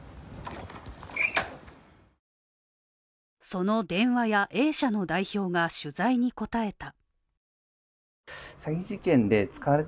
その電話屋、Ａ社の代表が取材に答えた。